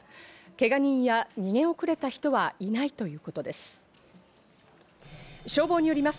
けが人や逃げ遅れた人はいないということです。